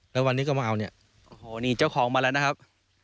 แล้ววันนี้ก็มาเอาเนี่ยโอ้โหนี่เจ้าของมาแล้วนะครับ